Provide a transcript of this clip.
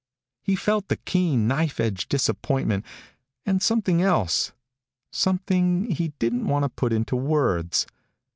He felt the keen, knife edge disappointment, and something else something he didn't want to put into words.